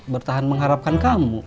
bertahan mengharapkan kamu